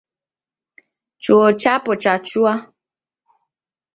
Chuo chapo chachua